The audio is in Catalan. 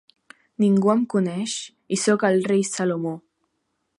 Ningú em coneix… i sóc el rei Salomó!